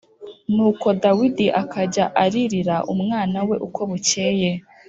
Nuko Dawidi akajya aririra umwana we uko bukeye.